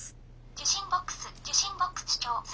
「受信ボックス受信ボックス